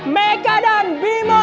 meka dan bimbo